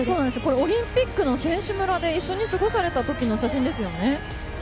オリンピックの選手村で一緒だった時の写真ですよね。